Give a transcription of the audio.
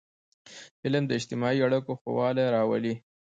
علم د اجتماعي اړیکو ښهوالی راولي.